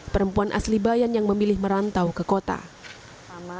perempuan asli bayan yang memilih merantau ke kota